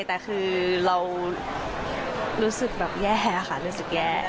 แต่คือเรารู้สึกแบบแย่ค่ะรู้สึกแย่